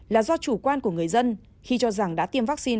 là do chủ quan của người dân khi cho rằng đã tiêm vaccine